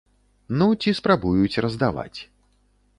Ну, ці спрабуюць раздаваць.